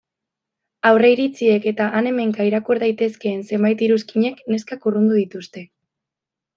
Aurreiritziek eta han-hemenka irakur daitezkeen zenbait iruzkinek neskak urrundu dituzte.